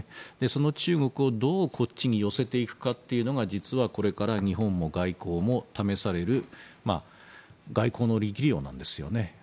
その中国をどうこっちに寄せていくかというのが実はこれから日本も外交も試される外交の力量なんですよね。